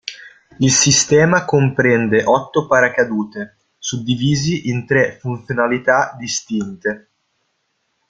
Il sistema comprende otto paracadute, suddivisi in tre funzionalità distinte.